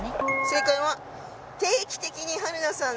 正解は。